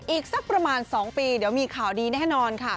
อีกสักประมาณ๒ปีเดี๋ยวมีข่าวดีแน่นอนค่ะ